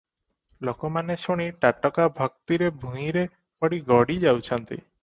ଲୋକମାନେ ଶୁଣି ତାଟକା, ଭକ୍ତିରେ ଭୂଇଁରେ ପଡ଼ି ଗଡ଼ି ଯାଉଛନ୍ତି ।